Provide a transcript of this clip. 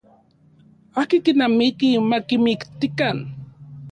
Akin kinamiki makimiktikan.